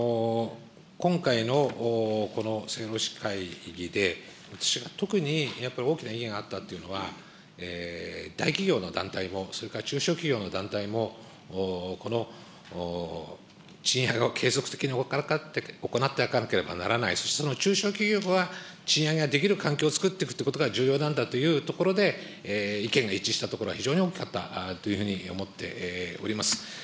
今回のこの政労使会議で、私が特にやっぱり大きな意義があったというのは、大企業の団体も、それから中小企業の団体も、この賃上げを継続的に行っていかなければならない、その中小企業は賃上げができる環境をつくっていくことが重要なんだというところで、意見が一致したところは非常に大きかったというふうに思っております。